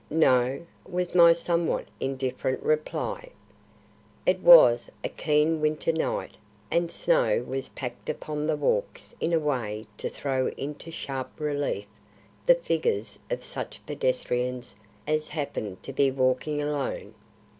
"No," was my somewhat indifferent reply. It was a keen winter night and snow was packed upon the walks in a way to throw into sharp relief the figures of such pedestrians as happened to be walking alone.